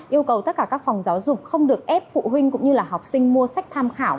yêu cầu tất cả các phòng giáo dục không được ép phụ huynh cũng như là học sinh mua sách tham khảo